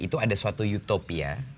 itu ada suatu utopia